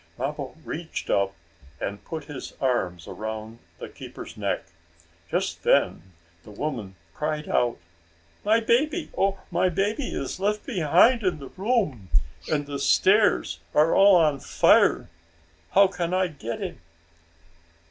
Mappo reached up, and put his arms around the keeper's neck. Just then the woman cried again: "My baby! Oh, my baby is left behind in the room, and the stairs are all on fire. How can I get him?"